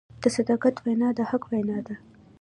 د صداقت وینا د حق وینا ده.